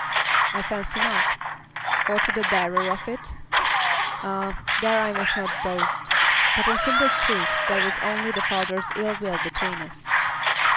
"I fancy not." "Or to the bearer of it?" "Ah; there I must not boast. But in simple truth there is only the father's ill will between us."